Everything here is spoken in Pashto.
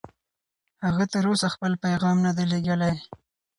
هغه تر اوسه خپل پیغام نه دی لېږلی.